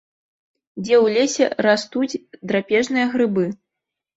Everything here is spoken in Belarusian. Дзе ў лесе растуць драпежныя грыбы?